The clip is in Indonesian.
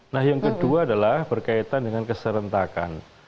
nah yang kedua adalah berkaitan dengan keserentakan